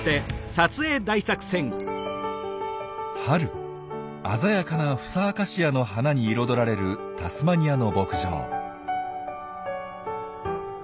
春鮮やかなフサアカシアの花に彩られるタスマニアの牧場。